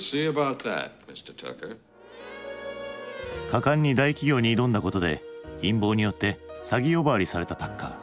果敢に大企業に挑んだことで陰謀によって詐欺呼ばわりされたタッカー。